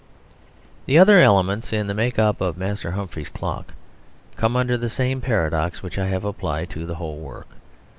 The other elements in the make up of Master Humphrey's Clock come under the same paradox which I have applied to the whole work.